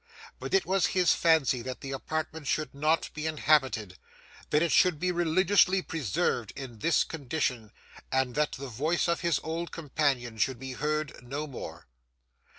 But it was his fancy that the apartment should not be inhabited; that it should be religiously preserved in this condition, and that the voice of his old companion should be heard no more.